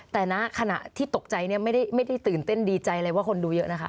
แต่ณขณะที่ตกใจเนี่ยไม่ได้ตื่นเต้นดีใจเลยว่าคนดูเยอะนะคะ